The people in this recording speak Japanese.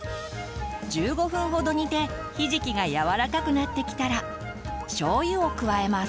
１５分ほど煮てひじきが柔らかくなってきたらしょうゆを加えます。